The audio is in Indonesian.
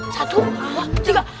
satu dua tiga